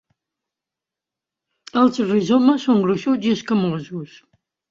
Els rizomes són gruixuts i escamosos.